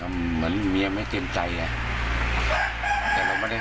แล้วถามว่าค่ำคืนมาเนี่ยจะมานอกกับเมียมันใช่ไหมมันไม่ใช่